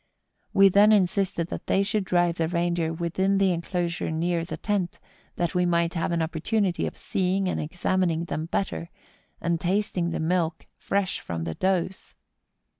We then insisted that they should drive the rein deer within the enclosure near the tent, that we might have an opportunity of seeing and examining them better, and tasting the milk fresh from the does.